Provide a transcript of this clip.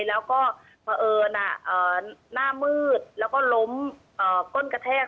แล้วก็เผอิญหน้ามืดแล้วก็ล้มก้นกระแทก